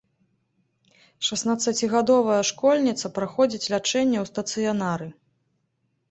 Шаснаццацігадовая школьніца праходзіць лячэнне ў стацыянары.